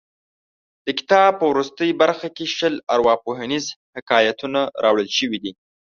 د کتاب په وروستۍ برخه کې شل ارواپوهنیز حکایتونه راوړل شوي دي.